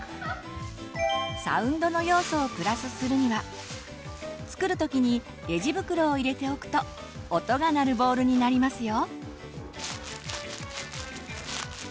サウンドの要素をプラスするには作る時にレジ袋を入れておくと音が鳴るボールになりますよ。